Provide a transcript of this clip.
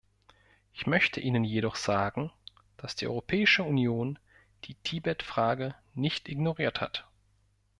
Ich möchte Ihnen jedoch sagen, dass die Europäische Union die Tibet-Frage nicht ignoriert hat.